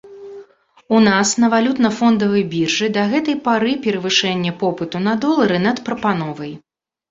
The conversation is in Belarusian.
У нас на валютна-фондавай біржы да гэтай пары перавышэнне попыту на долары над прапановай.